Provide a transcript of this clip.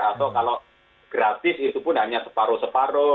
atau kalau gratis itu pun hanya separuh separuh